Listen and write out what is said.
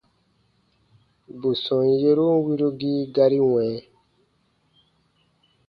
Bù sɔm yerun wirugii gari wɛ̃.